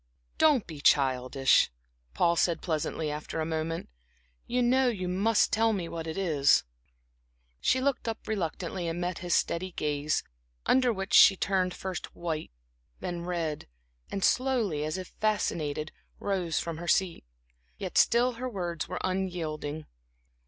"Don't be childish," Paul said, pleasantly, after a moment. "You know you must tell me what it is." She looked up reluctantly, and met his steady gaze, under which she turned first white, then red, and slowly, as if fascinated, rose from her seat. Yet still her words were unyielding.